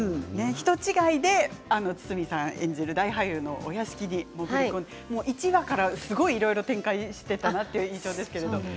人違いで堤さん演じる大俳優のお屋敷に潜り込んで１話からいろいろ展開していたなという印象です。